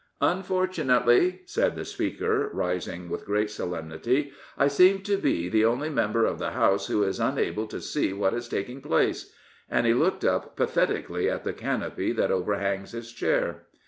'' Unfortunately," said the Speaker, rising with great solemnity, " I seem to be the only member of the House who is unable to see what is taking place," and he looked up pathetically at the canopy that overhangs his chair.